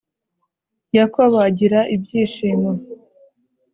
Yakobo agira ibyishimo